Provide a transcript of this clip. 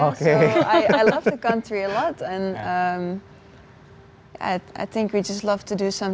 jadi saya sangat suka negara ini dan saya pikir kami suka melakukan sesuatu untuk di sini